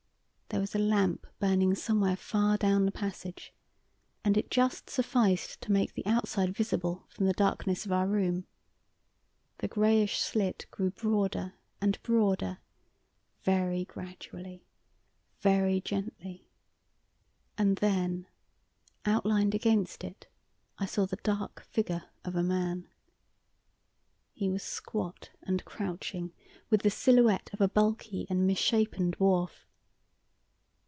There was a lamp burning somewhere far down the passage, and it just sufficed to make the outside visible from the darkness of our room. The greyish slit grew broader and broader, very gradually, very gently, and then outlined against it I saw the dark figure of a man. He was squat and crouching, with the silhouette of a bulky and misshapen dwarf.